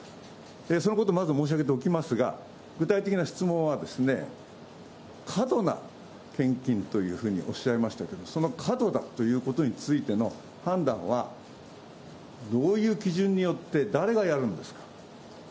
そのことをまず申し上げておきますが、具体的な質問は、過度な献金というふうにおっしゃいましたけれども、その過度なということについての判断は、どういう基準によって、誰がやるんですか。